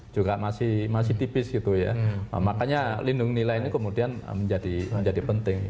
juga masih tipis gitu ya makanya lindung nilai ini kemudian menjadi penting